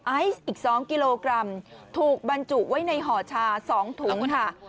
ไอซ์อีก๒กิโลกรัมถูกบรรจุไว้ในห่อชา๒ถุงค่ะ